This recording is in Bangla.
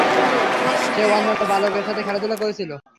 সে অন্যান্য বালকের সাথে খেলাধুলা করছিল।